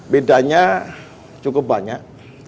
bedanya cukup banyak